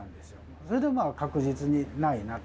それでまあ、確実にないなと。